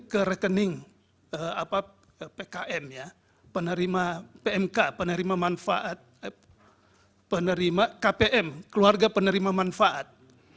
ke rekening pkn ya penerima pmk penerima manfaat penerima kpm keluarga penerima manfaat